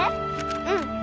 うん。